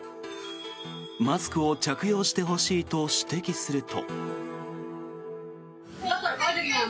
マスクを着用してほしいと指摘すると。